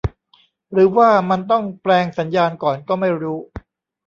หรือว่ามันต้องแปลงสัญญาณก่อนก็ไม่รู้